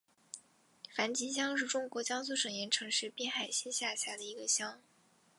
樊集乡是中国江苏省盐城市滨海县下辖的一个乡。